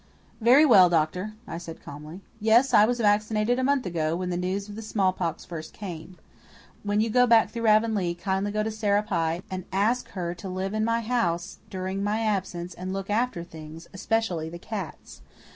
"Very well, doctor," I said calmly. "Yes, I was vaccinated a month ago, when the news of the smallpox first came. When you go back through Avonlea kindly go to Sarah Pye and ask her to live in my house during my absence and look after things, especially the cats.